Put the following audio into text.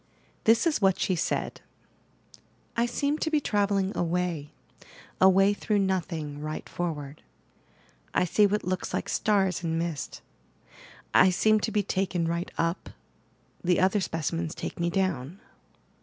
This is what she said: "I seem to be travelling away, away through nothing, right forward. I see what looks like stars and mist. I seem to be taken right up, the other specimens take me down."